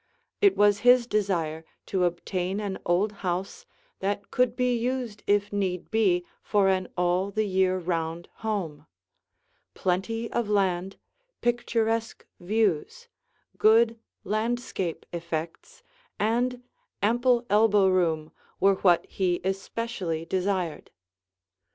It was his desire to obtain an old house that could be used if need be for an all the year round home; plenty of land, picturesque views, good landscape effects, and ample elbow room were what he especially desired.